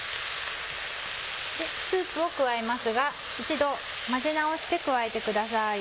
スープを加えますが一度混ぜ直して加えてください。